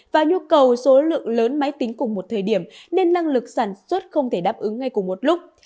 và nhu cầu số lượng lớn máy tính cùng một thời điểm nên năng lực sản xuất không thể đáp ứng ngay cùng một lúc